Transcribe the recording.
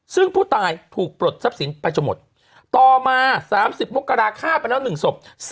ซึ่งผู้ตายถูกปลดทรัพย์สินไปจนหมดต่อมา๓๐มกราฆ่าไปแล้ว๑ศพ